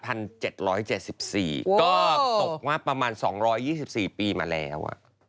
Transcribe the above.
ก็ตกมาประมาณ๒๒๔ปีมาแล้ว